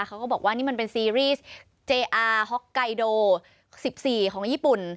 เขาก็บอกว่านี่มันเป็นซีรีส์เจอาฮ็อกไกโด๑๔ของญี่ปุ่น